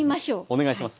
お願いします。